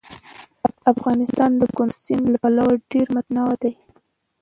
افغانستان د کندز سیند له پلوه ډېر متنوع دی.